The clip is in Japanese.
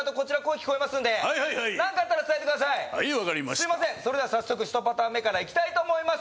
すいませんそれでは早速１パターン目からいきたいと思います